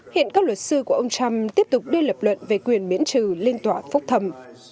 hiện các luật sư của ông trump tiếp tục đưa lập luận về quyền miễn trừ lên tòa phúc thầm